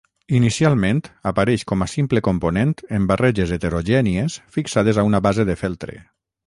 Inicialment apareix com a simple component en barreges heterogènies fixades a una base de feltre.